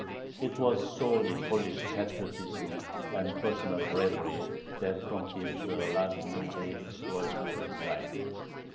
It was solely Polish patriotism and personal bravery that prompted the last military exploits of his life.